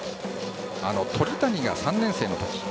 あの鳥谷が３年生のとき。